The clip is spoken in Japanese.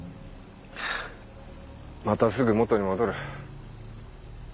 またすぐ元に戻る。